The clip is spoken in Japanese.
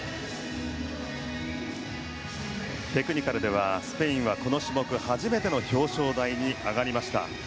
テクニカルではスペインはこの種目初めての表彰台に上がりました。